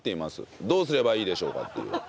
どうすればいいでしょうか？という。